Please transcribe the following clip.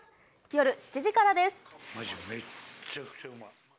夜７時からです。